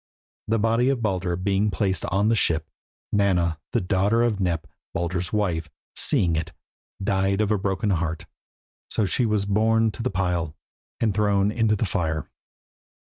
The body of Baldur being placed on the ship, Nanna, the daughter of Nep, Baldur's wife, seeing it, died of a broken heart, so she was borne to the pile and thrown into the fire.